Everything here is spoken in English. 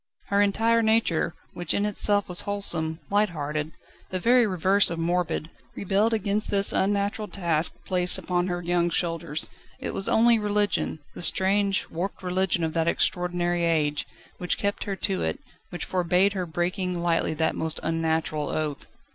Her entire nature, which in itself was wholesome, light hearted, the very reverse of morbid, rebelled against this unnatural task placed upon her young shoulders. It was only religion the strange, warped religion of that extraordinary age which kept her to it, which forbade her breaking lightly that most unnatural oath.